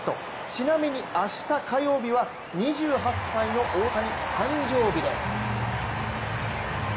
ちなみに明日、火曜日は２８歳の大谷、誕生日です。